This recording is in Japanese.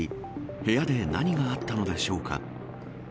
部屋で何があったのでしょうか。